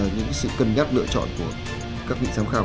những sự cân nhắc lựa chọn của các vị giám khảo